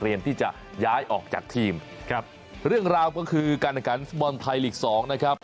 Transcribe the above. เรียนที่จะย้ายออกจากทีมครับเรื่องราวก็คือการอาการฟุตบอลไทยฤทธิ์๒นะครับ